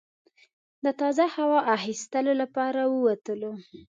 د تازه هوا اخیستلو لپاره ووتلو.